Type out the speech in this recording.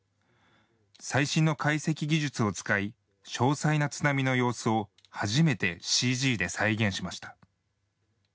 最新の解析技術を使い詳細な津波の様子を初めてＣＧで再現しました。